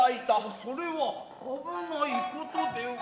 それは危ないことでおりゃる。